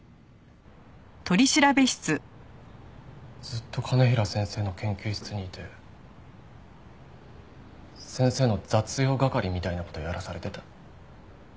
ずっと兼平先生の研究室にいて先生の雑用係みたいな事をやらされてた。